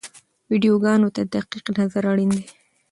ویډیوګانو ته دقیق نظر اړین دی.